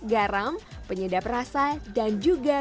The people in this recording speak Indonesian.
garam penyedap rasa dan juga